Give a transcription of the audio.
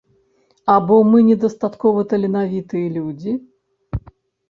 Або мы недастаткова таленавітыя людзі?